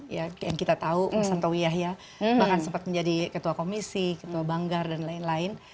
ya yang kita tahu mas antowi yahya bahkan sempat menjadi ketua komisi ketua banggar dan lain lain